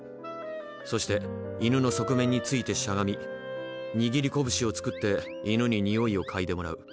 そして犬の側面についてしゃがみ握りこぶしを作って犬ににおいを嗅いでもらう。